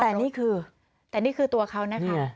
แต่นี่คือแต่นี่คือตัวเขานะคะ